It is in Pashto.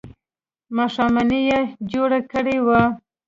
ماښامنۍ یې جوړه کړې وه.